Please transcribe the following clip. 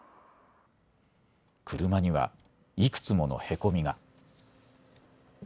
車にはいくつものへこみが。